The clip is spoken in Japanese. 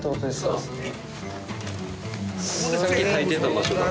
そうですね